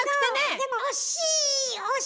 でも惜しい！